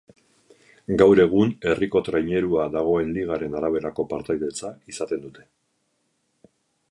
Gaur egun herriko trainerua dagoen ligaren araberako partaidetza izaten dute.